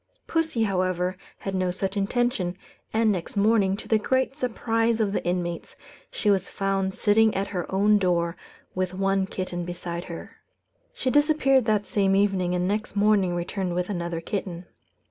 Pussy, however, had no such intention; and next morning, to the great surprise of the inmates, she was found sitting at her own door with one kitten beside her. She disappeared that same evening, and next morning returned with another kitten.